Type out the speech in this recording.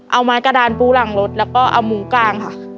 เอาไม้กระดานปูหลังรถแล้วก็เอาหมูกลางค่ะ